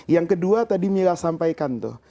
yang kedua tadi mila sampaikan tuh